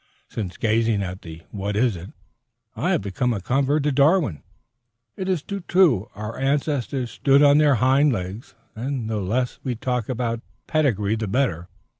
Since gazing at the What is it, I have become a convert to Darwin. It is too true. Our ancestors stood on their hind legs, and the less we talk about pedigree the better.